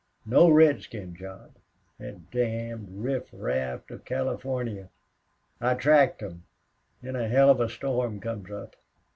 No redskin job. That damned riffraff out of Californy. I tracked 'em. Then a hell of a storm comes up.